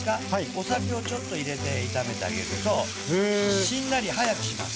お酒をちょっと入れて炒めてあげるとしんなり早くします。